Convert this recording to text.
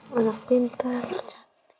baik anak pintar